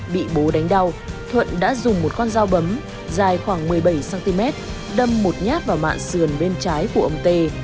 bị bố đánh đau thuận đã dùng một con dao bấm dài khoảng một mươi bảy cm đâm một nhát vào mạng sườn bên trái của ông tê